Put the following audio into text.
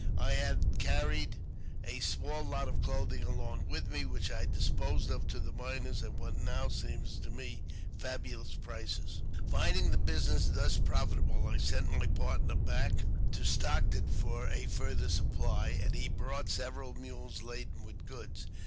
I had carried a small lot of clothing along with me, which I disposed of to the miners at what now seems to me fabulous prices. Finding the business thus profitable, I sent my partner back to Stockton for a farther supply, and he brought several mules laden with goods.